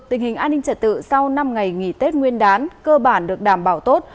tình hình an ninh trật tự sau năm ngày nghỉ tết nguyên đán cơ bản được đảm bảo tốt